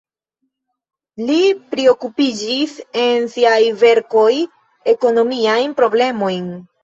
Li priokupiĝis en siaj verkoj ekonomiajn problemojn.